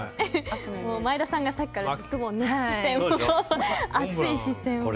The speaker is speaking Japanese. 前田さんがさっきから熱い視線を。